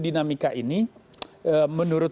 dinamika ini menurut